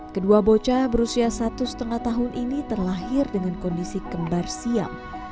kedua bocah berusia satu lima tahun ini terlahir dengan kondisi kembar siam